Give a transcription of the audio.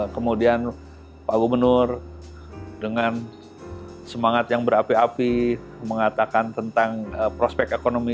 kemudian pak gubernur dengan semangat yang berapi api mengatakan tentang prospek ekonomi